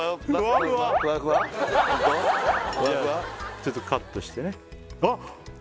ちょっとカットしてねあっ